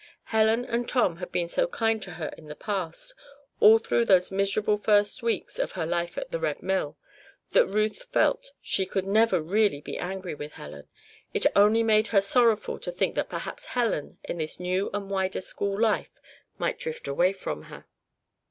Helen and Tom had been so kind to her in the past all through those miserable first weeks of her life at the Red Mill that Ruth felt she could never be really angry with Helen. It only made her sorrowful to think that perhaps Helen, in this new and wider school life, might drift away from her.